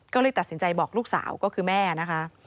ก็เลยตัดสินใจบอกลูกสาวก็คือแม่นะคะ